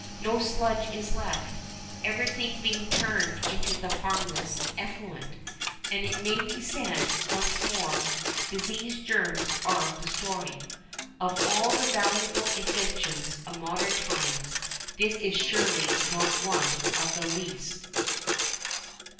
No sludge is left, everything being turned into the harmless effluent. And, it may be said once more, disease germs are destroyed. Of all the valuable inventions of modern times this is surely not one of the least.